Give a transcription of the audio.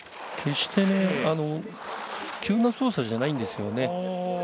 決して、急な操作じゃないんですよね。